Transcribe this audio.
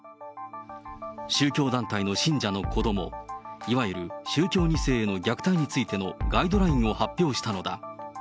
宗教団体の信者の子ども、いわゆる宗教２世への虐待についてのガイドラインを発表したのだ。